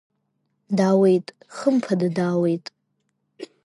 Даауеит, хымԥада, даауеит.